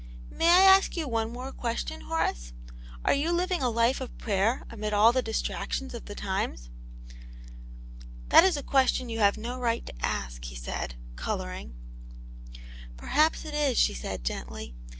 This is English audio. " May I ask you one more question, Horace } Are you living a life of prayer amid all the distractions of the times }"" That is a question you have no right to ask " Vvo. said^ zdiouvlng. 8 Aunt Jane's Hero, •" Perhaps it is," she said, gently.